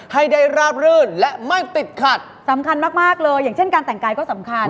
ให้ได้ราบรื่นและไม่ติดขัดสำคัญมากมากเลยอย่างเช่นการแต่งกายก็สำคัญ